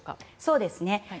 そうですね。